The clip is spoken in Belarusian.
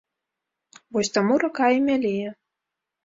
Вось таму рака і мялее.